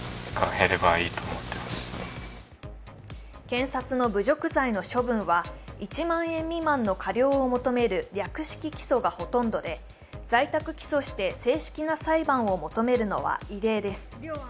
検察の侮辱罪の処分は、１万円未満の科料を求める略式起訴がほとんどで在宅起訴して正式な裁判を求めるのは異例です。